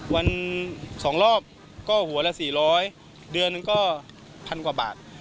วัน๒รอบก็หัวละ๔๐๐เดือนก็๑๐๐กว่าบาท